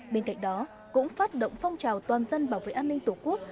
bên cạnh đó cũng phát động phong trào toàn dân bảo vệ an ninh tổ quốc